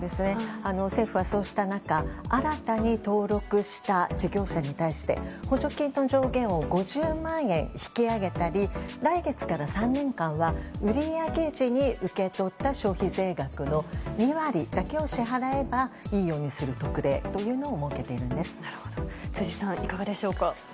政府はそうした中新たに登録した事業者に対して補助金の上限を５０万円引き上げたり来月から３年間は売り上げ時に受け取った消費税額の２割だけを支払えばいいようにする特例というのを辻さん、いかがでしょうか？